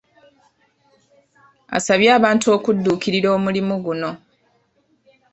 Asabye abantu okudduukirira omulimu guno.